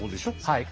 はい。